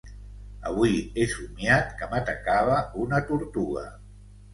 Avui he somiat que m'atacava una tortuga.